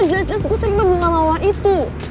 padahal jelas jelas gue terima bunga mawar itu